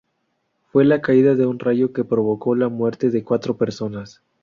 Fue la caída de un rayo que provocó la muerte de cuatro personas.